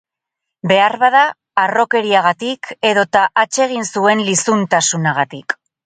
Beharbada harrokeriagatik edota atsegin zuen lizuntasunagatik.